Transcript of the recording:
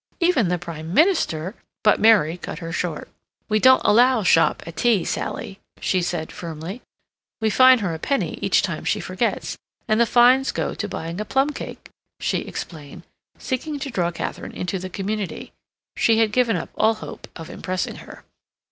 Even the Prime Minister—" But Mary cut her short. "We don't allow shop at tea, Sally," she said firmly. "We fine her a penny each time she forgets, and the fines go to buying a plum cake," she explained, seeking to draw Katharine into the community. She had given up all hope of impressing her.